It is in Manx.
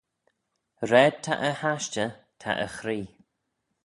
Raad ta e hashtey ta e chree.